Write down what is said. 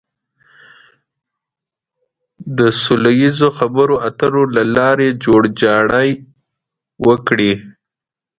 د سوله ييزو خبرو اترو له لارې جوړجاړی وکړي.